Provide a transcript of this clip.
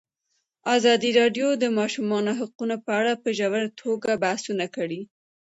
ازادي راډیو د د ماشومانو حقونه په اړه په ژوره توګه بحثونه کړي.